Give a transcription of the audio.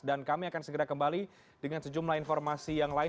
dan kami akan segera kembali dengan sejumlah informasi yang lain